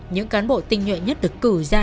những cán bộ tinh nhuệ nhất được cử ra